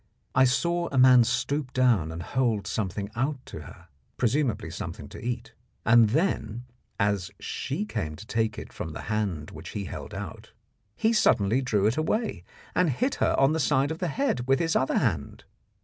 I saw a man stoop down and hold something out to her presumably something to eat and then, as she came to take it from the hand which he held out, he suddenly drew it away and hit her on the side of the head with his other hand.